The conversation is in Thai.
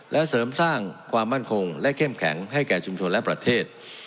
และเสริมสร้างความมั่นคงและเข้มแข็งให้แก่ชุมชนและประเทศ